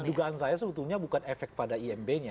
makanya dugaan saya sebetulnya bukan efek pada ia tapi